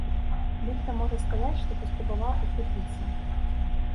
Нехта можа сказаць, што паспрабаваў адкупіцца.